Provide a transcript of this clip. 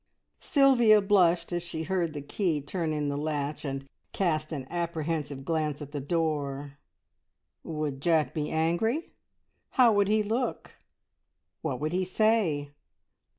Sylvia blushed as she heard the key turn in the latch, and cast an apprehensive glance at the door. Would Jack be angry? How would he look? What would he say?